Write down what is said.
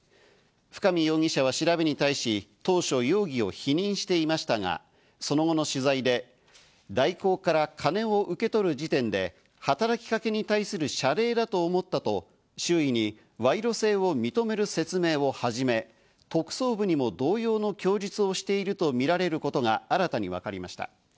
深見容疑者は調べに対し、当初、容疑を否認していましたが、その後の取材で大広から金を受け取る時点で働きかけに対する謝礼だと思ったと周囲に賄賂性を認める説明を始め、特捜部にも同様の供述をしているとみられることが新たに分かりました。